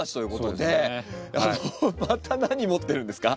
あのまた何持ってるんですか？